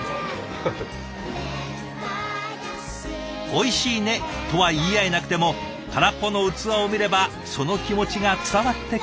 「おいしいね」とは言い合えなくても空っぽの器を見ればその気持ちが伝わってくる。